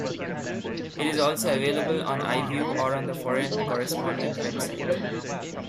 It is also available on "iView" or on the "Foreign Correspondent" website.